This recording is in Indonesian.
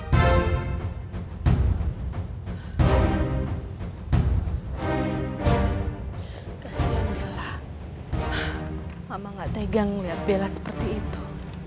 kasian bella mama gak tegang liat bella seperti itu